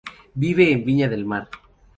Vive en Viña del Mar.